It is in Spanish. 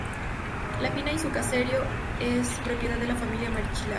La fina y su caserío es propiedad de la familia Marichalar.